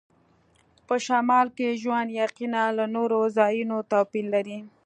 په شمال کې ژوند یقیناً له نورو ځایونو توپیر لري